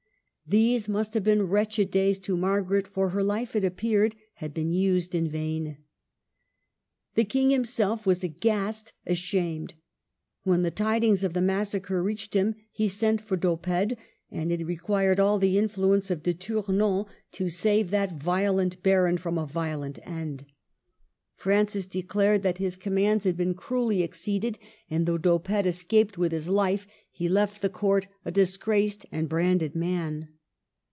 These must have been wretched days to Margaret, for her life, it appeared, had been used in vain. The King himself was aghast, ashamed. When the tidings of the massacre reached him, he sent for D'Oppede ; and it required all the influence of De Tournon to save that 2/2 MARGARET OF ANGOUL^ME. violent baron from a violent end. Francis de clared that his commands had been cruelly exceeded ; and though D'Oppede escaped with his hfe, he left the Court a disgraced and branded man.